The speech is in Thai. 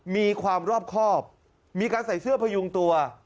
มีความรอบครอบมีการใส่เสื้อพยุงตัว